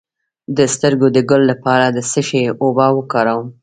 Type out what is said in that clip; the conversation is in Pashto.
د سترګو د ګل لپاره د څه شي اوبه وکاروم؟